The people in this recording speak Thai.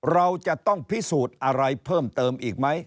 เราจะต้องพิสูจน์อะไรเพิ่มเติมอีกไหม